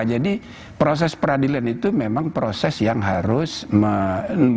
jadi proses peradilan itu memang proses yang harus menyediakan mekanisme